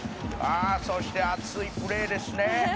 「あっそして熱いプレーですね」